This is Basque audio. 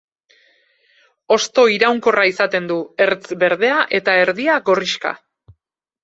Hosto iraunkorra izaten du, ertz berdea eta erdia gorrixka.